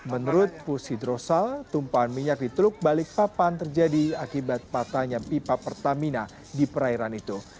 menurut pus hidrosal tumpahan minyak di teluk balikpapan terjadi akibat patahnya pipa pertamina di perairan itu